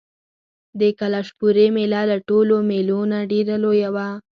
د کلشپورې مېله له ټولو مېلو نه ډېره لویه وه.